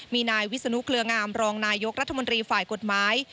มีนายวิศนุเครืองามรองนายกรัฐมนตรีฝ่ายกฎหมาย